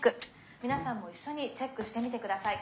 皆さんも一緒にチェックしてみてください。